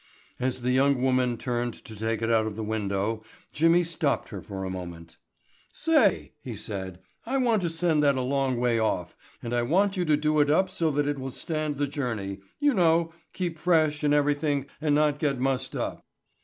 As the young woman turned to take it out of the window Jimmy stopped her for a moment. "Say," he said, "I want to send that a long way off and I want you to do it up so that it will stand the journey—you know, keep fresh and everything and not get mussed up."